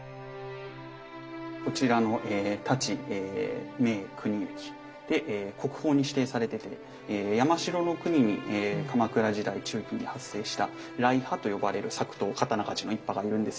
こちらの太刀銘国行で国宝に指定されてて山城国に鎌倉時代中期に発生した来派と呼ばれる作刀刀鍛冶の一派がいるんですけれども。